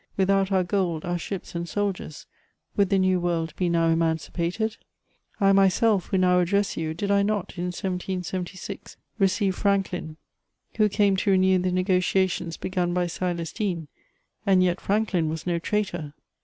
Without our gold, our ships, and soldiers, would the New World be now emancipated ? I myself, who now address you, did I not, in 1776, receive Franklin^ who came to renew the negotiations begun by Silas Deane, and yet Franklin was no traitor